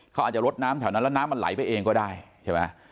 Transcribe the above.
เขาอาจจะลดน้ำแถวนั้นแล้วน้ำมันไหลไปเองก็ได้ใช่ไหม